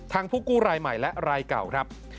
ผู้กู้รายใหม่และรายเก่าครับ